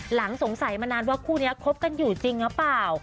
หลังสงสัยมานานว่าคู่นี้คบกันอยู่จริงหรือเปล่า